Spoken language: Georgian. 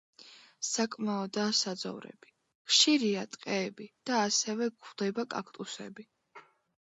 საკმაოდაა საძოვრები, ხშირია ტყეები და ასევე გვხვდება კაქტუსები.